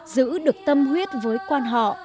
giữ được tâm huyết với quan họ